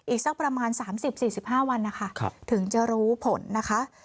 อีกสักประมาณสามสิบสี่สิบ๕วันนะคะถึงจะรู้ผลนะคะ